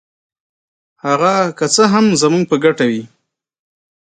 هغه که څه هم زموږ په ګټه وي.